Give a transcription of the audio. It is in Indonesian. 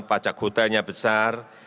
pajak hotelnya besar